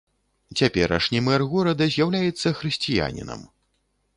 Цяперашні мэр горада з'яўляецца хрысціянінам.